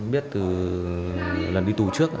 biết từ lần đi tù trước